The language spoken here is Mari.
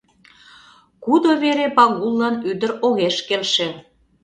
Кудо вере Пагуллан ӱдыр огеш келше.